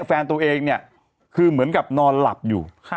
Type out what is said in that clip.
แฟนตัวเองเนี่ยคือเหมือนกับนอนหลับอยู่